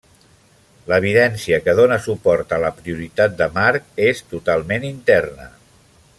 L'evidència que dóna suport a la prioritat de Marc és totalment interna.